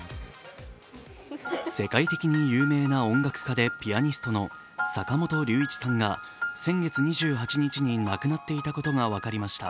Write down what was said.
世界的なピアニストで音楽家の坂本龍一さんが先月２８日に亡くなっていたことが分かりました。